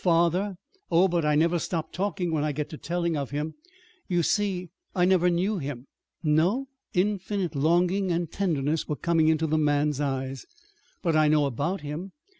"Father! Oh, but I never stop talking when I get to telling of him. You see, I never knew him." "No?" Infinite longing and tenderness were coming into the man's eyes. "But I know about him.